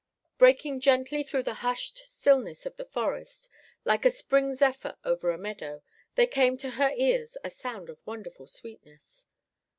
Breaking gently through the hushed stillness of the forest, like a spring zephyr over a meadow, there came to her ears a sound of wonderful sweetness.